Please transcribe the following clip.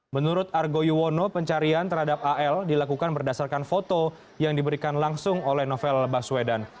menurut argo yuwono pencarian terhadap al dilakukan berdasarkan foto yang diberikan langsung oleh novel baswedan